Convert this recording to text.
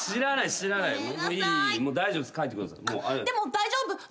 でも大丈夫。